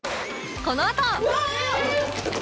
このあと